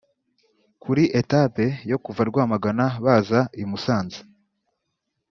kuri etape yo kuva Rwamagana baza i Musanze